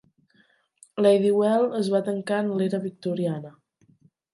Ladywell es va tancar en l'era victoriana.